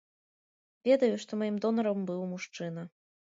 Ведаю, што маім донарам быў мужчына.